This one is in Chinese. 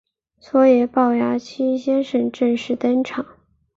所以暴牙七先生正式登场。